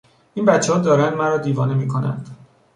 این بچهها دارند مرا دیوانه میکنند!